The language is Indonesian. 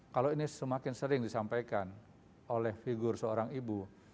kalau ini semakin sering disampaikan oleh figur seorang ibu